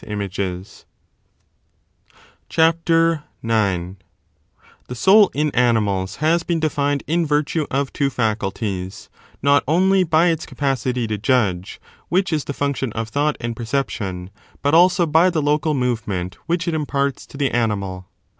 Q ᾿ 4328 15 432 Ὁ 13 147 The soul in animals has been defined in virtue of two faculties, 9 Animal lo. not only by its capacity to judge, which is the function comotion. of thought and perception, but also by the local move ment which it imparts to the animal.